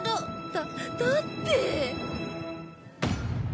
だだって！